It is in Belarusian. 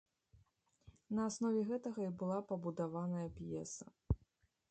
На аснове гэтага і была пабудаваная п'еса.